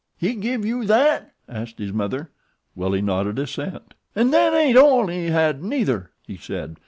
"He give you thet?" asked his mother. Willie nodded assent. "'N' thet ain't all he had neither," he said.